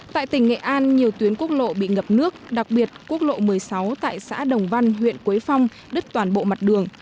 tại tỉnh nghệ an nhiều tuyến quốc lộ bị ngập nước đặc biệt quốc lộ một mươi sáu tại xã đồng văn huyện quế phong đứt toàn bộ mặt đường